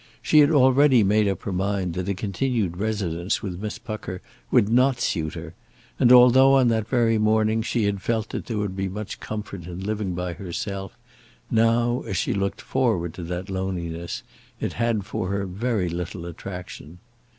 She had already made up her mind that a continued residence with Miss Pucker would not suit her; and although, on that very morning, she had felt that there would be much comfort in living by herself, now, as she looked forward to that loneliness, it had for her very little attraction.